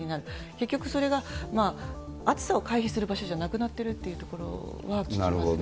結局それが暑さを回避する場所じゃなくなってるというところは聞きますね。